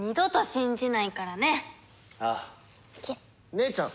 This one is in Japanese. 姉ちゃん！